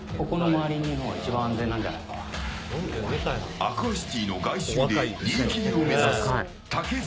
アクアシティの外周で逃げ切りを目指す竹財。